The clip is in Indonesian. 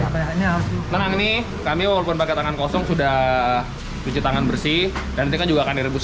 menang nih kami walaupun pakai tangan kosong sudah cuci tangan bersih dan juga akan rebus